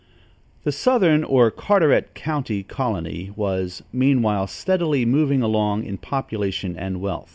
The southern, or Carteret County Colony was, meanwhile, steadily moving along in population and wealth.